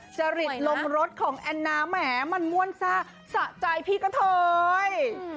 จริตลงรถของแอนนาแหมมันม่วนซ่าสะใจพี่กะเทย